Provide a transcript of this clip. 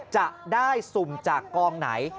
จะได้สุ่มจากกองไหน